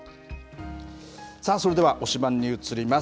さあ、それでは推しバンに移ります。